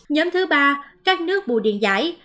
nhóm thứ ba các nước bù điện giải